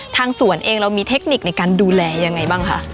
ทางสวนเองเรามีเทคนิคในการดูแลยังไงบ้างคะ